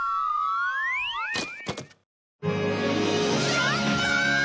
やった！